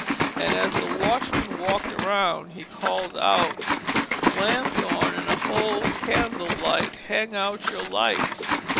And as the watchman walked around he called out, "Lanthorn, and a whole candell light. Hang out your lights."